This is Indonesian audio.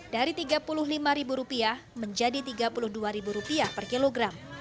dari rp tiga puluh lima menjadi rp tiga puluh dua per kilogram